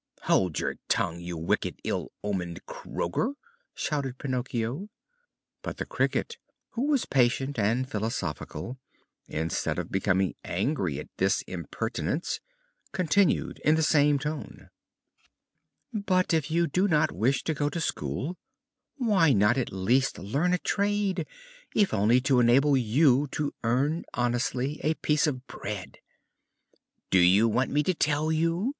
"Hold your tongue, you wicked, ill omened croaker!" shouted Pinocchio. But the Cricket, who was patient and philosophical, instead of becoming angry at this impertinence, continued in the same tone: "But if you do not wish to go to school why not at least learn a trade, if only to enable you to earn honestly a piece of bread!" "Do you want me to tell you?"